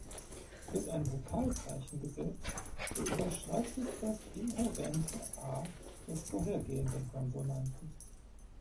Wird ein Vokalzeichen gesetzt, so überschreibt es das inhärente "a" des vorhergehenden Konsonanten.